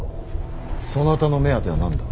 そなたの目当ては何だ。